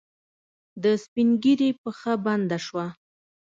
د سپينږيري پښه بنده شوه.